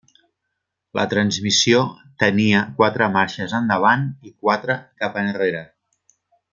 La transmissió tenia quatre marxes endavant i quatre cap enrere.